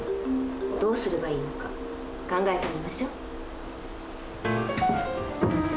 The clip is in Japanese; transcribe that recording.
どうすればいいのか考えてみましょう。